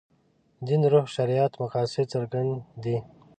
دین روح شریعت مقاصد څرګند دي.